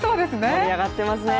盛り上がってますね。